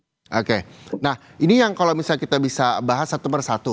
oke nah ini yang kalau misalnya kita bisa bahas satu persatu